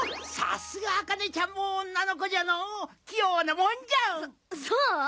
さっすがあかねちゃんも女の子じゃのー器用なもんじゃそそう？